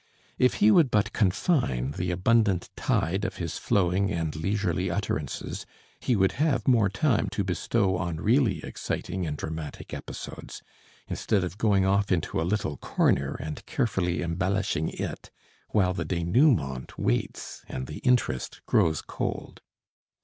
If he would but confine the abundant tide of his flowing and leisurely utterances, he would have more time to bestow on really exciting and dramatic episodes, instead of going off into a little corner and carefully embellishing it, while the denouement waits and the interest grows cold.